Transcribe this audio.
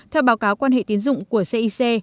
theo báo cáo quan hệ tiến dụng của cic